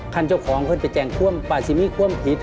คันเจ้าของเพิ่งไปแจ้งความประสิมิความผิด